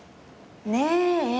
「ねえ」